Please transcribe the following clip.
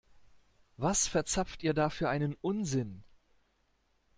Was verzapft ihr da für einen Unsinn?